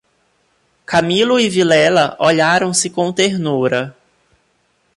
Camilo e Vilela olharam-se com ternura.